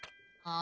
あ。